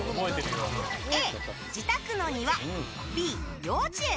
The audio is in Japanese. Ａ、自宅の庭Ｂ、幼稚園。